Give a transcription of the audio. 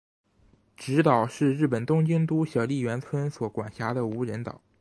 侄岛是日本东京都小笠原村所管辖的无人岛。